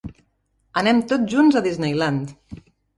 Anem tots junts a Disney Land.